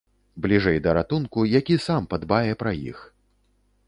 Бліжэй да ратунку, які сам падбае пра іх.